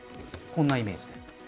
こんなイメージです。